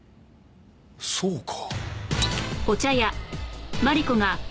そうか。